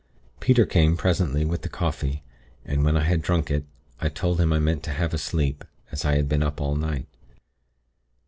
Peter came, presently, with the coffee, and when I had drunk it, I told him I meant to have a sleep, as I had been up all night.